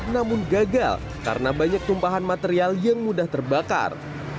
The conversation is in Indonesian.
namun gagal karena banyak tumpahan material yang mudah terbakar